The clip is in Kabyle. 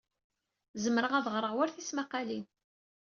Zemreɣ ad ɣreɣ war tismaqalin.